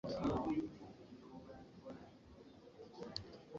Lwaki olina ebintu bitono ku dduuka?